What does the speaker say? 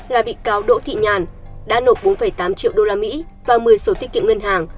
là bị cáo đỗ thị nhàn đã nộp bốn tám triệu usd vào một mươi sổ tiết kiệm ngân hàng